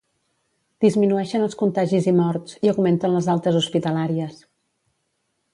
Disminueixen els contagis i morts, i augmenten les altes hospitalàries.